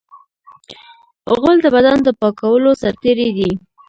غول د بدن د پاکولو سرتېری دی.